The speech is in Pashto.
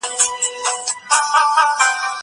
هغه وويل چي ليکنه مهمه ده!